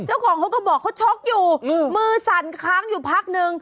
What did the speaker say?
เจ้าของเขาก็บอกเขาช็อกอยู่มือสั่นค้างอยู่พักนึง